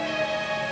sama pak wisnu